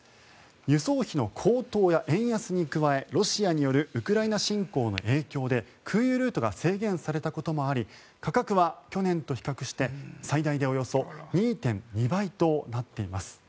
輸送費の高騰や円安に加えロシアによるウクライナ侵攻の影響で空輸ルートが制限されたこともあり価格は去年と比較して最大でおよそ２．２倍となっています。